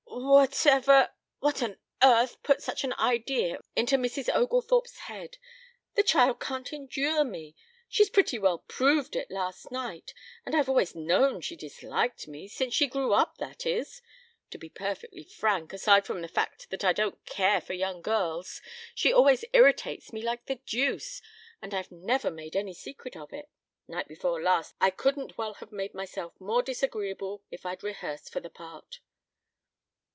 "Whatever what on earth put such an idea into Mrs. Oglethorpe's head? The child can't endure me. She pretty well proved it last night, and I've always known she disliked me since she grew up, that is. To be perfectly frank, aside from the fact that I don't care for young girls, she always irritates me like the deuce, and I've never made any secret of it. Night before last I couldn't well have made myself more disagreeable if I'd rehearsed for the part."